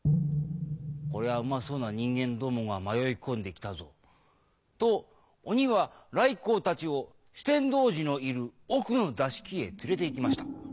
「こりゃうまそうな人間どもが迷い込んできたぞ」と鬼は頼光たちを酒呑童子のいる奥の座敷へ連れていきました。